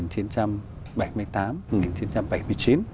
thế là năm một nghìn chín trăm bảy mươi tám một nghìn chín trăm bảy mươi chín